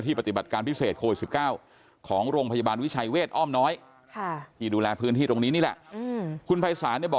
แต่ว่าเอาก่อนพูดไปก่อนเพื่อให้การช่วยเหลือดีมากขึ้น